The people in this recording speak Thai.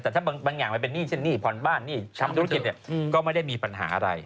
แต่ถ้าบางอย่างมันเป็นหนี้เช่นหนี้ผ่อนบ้านหนี้ทำธุรกิจเนี่ยก็ไม่ได้มีปัญหาอะไร